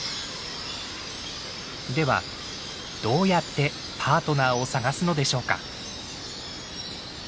ではどうやってパートナーを探すのでしょうか？